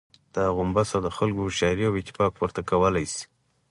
دا غومبسه د خلکو هوښياري او اتفاق، پورته کولای شي.